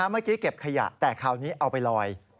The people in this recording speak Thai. เมื่อกี้เก็บขยะแต่คราวนี้เอาไปลอย